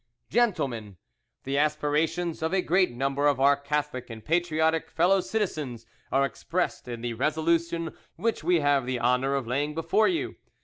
"GENTLEMEN,—The aspirations of a great number of our Catholic and patriotic fellow citizens are expressed in the resolution which we have the honour of laying before you.